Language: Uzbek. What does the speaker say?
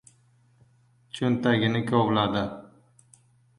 Cho‘ntagini kovladi.